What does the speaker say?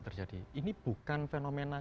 terjadi ini bukan fenomena